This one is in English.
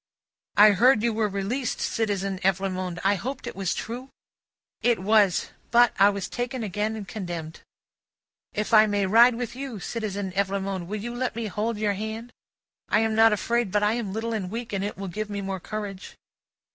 "I heard you were released, Citizen Evrémonde. I hoped it was true?" "It was. But, I was again taken and condemned." "If I may ride with you, Citizen Evrémonde, will you let me hold your hand? I am not afraid, but I am little and weak, and it will give me more courage."